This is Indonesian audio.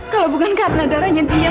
kalau bukan karena darahnya dia